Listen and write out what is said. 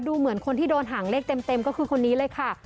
เหมือนคนที่โดนหางเลขเต็มก็คือคนนี้เลยค่ะ